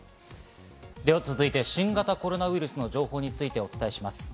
では続いて新型コロナウイルスの情報についてお伝えしていきます。